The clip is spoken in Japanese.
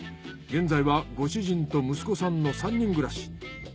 現在はご主人と息子さんの３人暮らし。